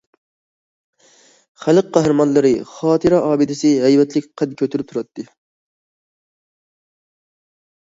خەلق قەھرىمانلىرى خاتىرە ئابىدىسى ھەيۋەتلىك قەد كۆتۈرۈپ تۇراتتى.